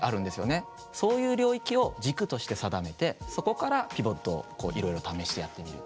そういう領域を軸として定めてそこからピボットをこういろいろ試してやってみる。